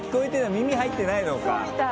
耳、入ってないのか。